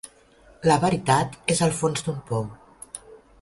La veritat és al fons d'un pou.